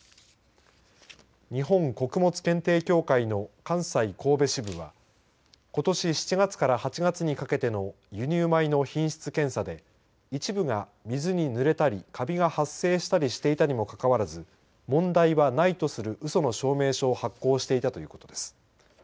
日本穀物検定協会の関西神戸支部はことし７月から８月にかけての輸入米の品質検査で一部が水にぬれたりかびが生えたり発生していたにもかかわらず問題はないとするうその証明書を発行していたということです。